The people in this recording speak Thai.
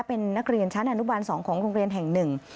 เป็นนักเรียนชั้นอนุบาล๒ของโรงเรียนแห่งหนึ่ง